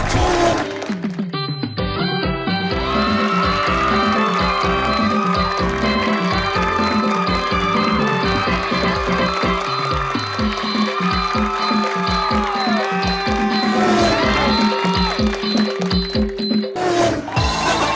เฮ่ย